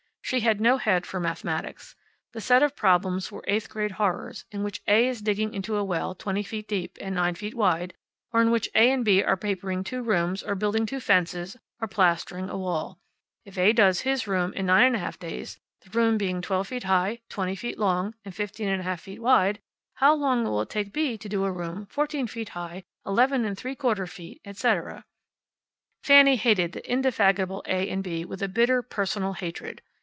She had no head for mathematics. The set of problems were eighth grade horrors, in which A is digging a well 20 feet deep and 9 feet wide; or in which A and B are papering two rooms, or building two fences, or plastering a wall. If A does his room in 9 1/2 days, the room being 12 feet high, 20 feet long, and 15 1/2 feet wide, how long will it take B to do a room 14 feet high, 11 3/4 feet, etc. Fanny hated the indefatigable A and B with a bitter personal hatred.